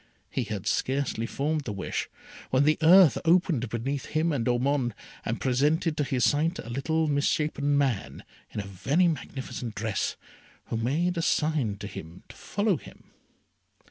He had scarcely formed the wish, when the earth opened between him and Ormond, and presented to his sight a little misshapen man in a very magnificent dress, who made a sign to him to follow him.